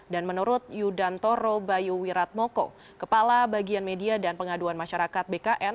dan menurut yudantoro bayu wiratmoko kepala bagian media dan pengaduan masyarakat bkn